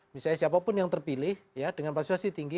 misalnya siapapun yang terpilih dengan partisipasi tinggi